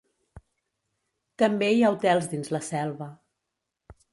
També hi ha hotels dins la selva.